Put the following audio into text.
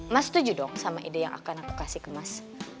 mas setuju dong sama ide yang akan aku kasih kemas